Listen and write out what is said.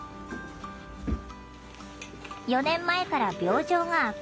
４年前から病状が悪化。